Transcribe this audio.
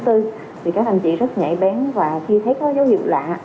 thì các anh chị rất nhạy bén và khi thấy có dấu hiệu lạ